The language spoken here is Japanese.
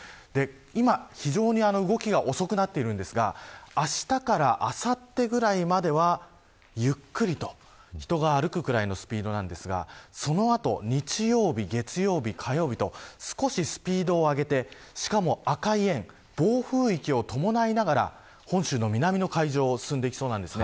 今、非常に動きが遅くなっているんですがあしたからあさってぐらいまではゆっくりと、人が歩くくらいのスピードなんですがその後、日曜日月曜日、火曜日と少しスピードを上げてしかも赤い円暴風域を伴いながら本州の南の海上を進んでいきそうです。